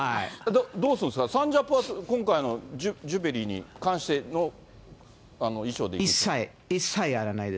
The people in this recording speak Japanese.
どうするんですか、サンジャポは今回のジュビリーに関しての衣装でいく？